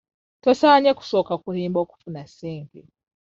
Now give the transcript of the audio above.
Tosaanye kusooka kulimba okufuna ssente.